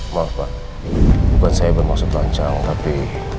maaf pak bukan saya bermaksud rancang tapi